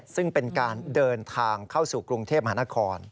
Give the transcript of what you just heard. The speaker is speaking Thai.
ซึ่งเป็นการเดินทางเข้าสู่กรุงเทพมหานคร